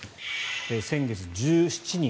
先月、１７人。